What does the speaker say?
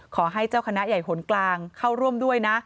ขอให้เจ้าคณะใหญ่หนกลางเข้าร่วมด้วยนะ